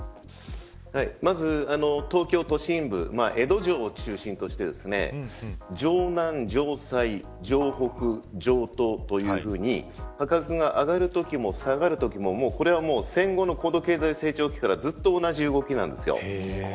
まず、東京都心部江戸城を中心として城南、城西城北、城東というふうに価格が上がるときも下がるときも戦後の高度経済成長期からずっと同じ動きなんです。